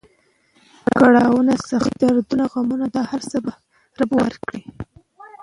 کړاونه، سختۍ، دردونه، غمونه دا هر څه به رب ورک کړي.